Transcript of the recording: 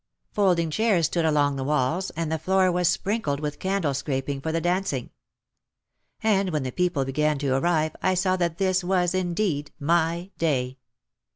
Folding chairs stood along the walls and the floor was sprinkled with candle scraping for the dancing. And when the people began to arrive I saw that this was indeed my day.